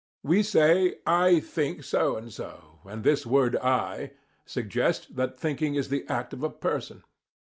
We say: "I think so and so," and this word "I" suggests that thinking is the act of a person.